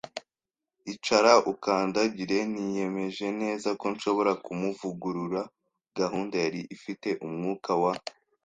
icara ukandagira, niyemeje neza ko nshobora kumuvugurura. Gahunda yari ifite umwuka wa